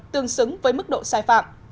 tương xứng với mức độ sai phạm